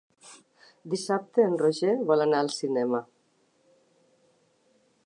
Dissabte en Roger vol anar al cinema.